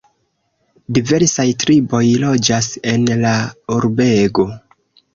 Diversaj triboj loĝas en la urbego.